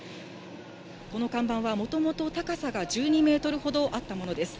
この看板はもともと高さが１２メートルほどあったものです。